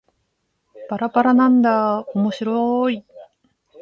ばらばらなんだーおもしろーい